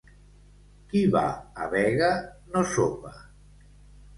Qui va a vega, no sopa.